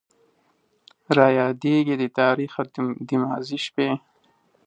رايادېږي دې تاريخه د ماضي شپې